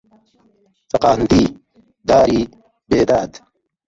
چەقاندی داری بێداد